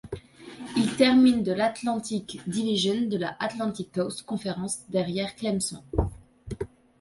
Ils terminent de l'Atlantic Division de la Atlantic Coast Conference derrière Clemson.